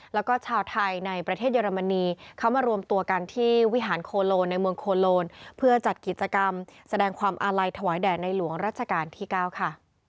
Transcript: แล้วก็ชาวไทยในประเทศเยอรมนีเขามารวมตัวกันที่วิหารโคโลในเมืองโคโลนเพื่อจัดกิจกรรมแสดงความอาลัยถวายแด่ในหลวงรัชกาลที่๙ค่ะ